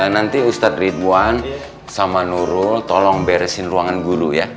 nanti ustadz ridwan sama nurul tolong beresin ruangan guru ya